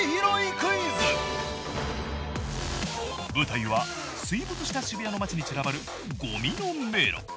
舞台は水没した渋谷の街に散らばるゴミの迷路。